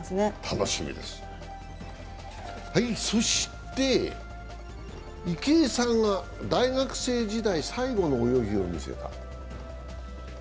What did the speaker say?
楽しみです、そして池江さんが大学生時代最後の泳ぎを見せた。